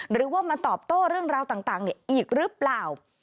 หรือว่ามาตอบโต้เรื่องราวต่างอีกหรือเปล่า